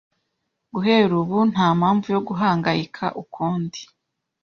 Guhera ubu, nta mpamvu yo guhangayika ukundi.